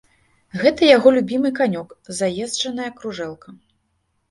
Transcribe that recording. Гэта яго любімы канёк, заезджаная кружэлка.